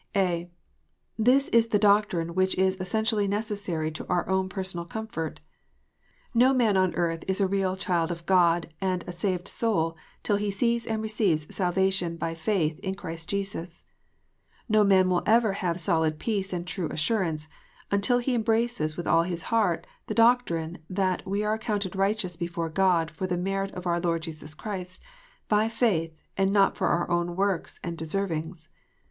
(a) This is the doctrine which is essentially necessary to our own personal comfort. No man on earth is a real child of God, and a saved soul, till he sees and receives salvation by faith in Christ Jesus. No man will ever have solid peace and true assurance, until he embraces with all his heart the doctrine that " we are accounted righteous before God for the merit of our Lord Jesus Christ, by faith, and not for our own works and deservings."